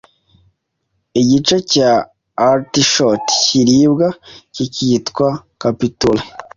Igice cya artichaut kiribwa kikitwa capitule